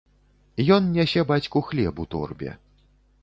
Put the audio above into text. Ён нясе бацьку хлеб у торбе.